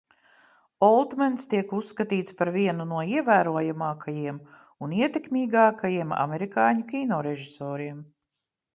Oltmens tiek uzskatīts par vienu no ievērojamākajiem un ietekmīgākajiem amerikāņu kinorežisoriem.